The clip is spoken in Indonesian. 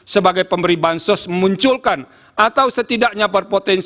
sebagai pemberi bansos memunculkan atau setidaknya berpotensi